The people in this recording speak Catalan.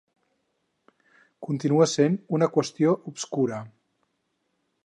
Continua sent una qüestió obscura...